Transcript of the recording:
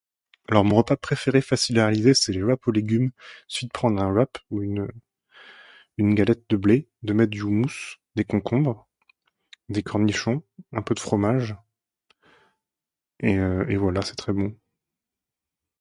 Alors, mon repas préféré facile à réaliser, c'est les wrap aux légumes : suffit de prendre un wrap ou une euh, une galette de blé, de mettre du houmous, des concombres, des cornichons, un peu de fromage et, euh, et voilà c'est très bon.